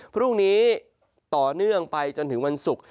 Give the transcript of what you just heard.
พรุ่งนี้ต่อเนื่องไปจนถึงวันศุกร์